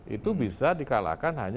itu bisa di kalahkan hanya